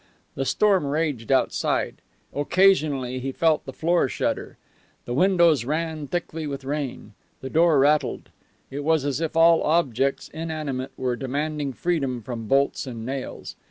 The storm raged outside. Occasionally he felt the floor shudder. The windows ran thickly with rain. The door rattled. It was as if all objects inanimate were demanding freedom from bolts and nails.